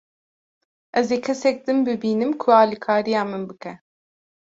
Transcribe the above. Ez ê kesek din bibînim ku alîkariya min bike.